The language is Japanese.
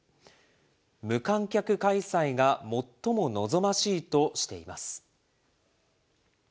無観客開催が最も望ましいとしています。